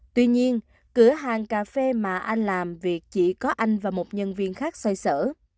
tuy nhiên cửa hàng cà phê mà anh làm việc chỉ có anh và một nhân viên khác xoay sở